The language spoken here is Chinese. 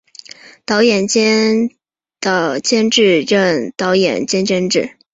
导演兼监制仅任导演仅任监制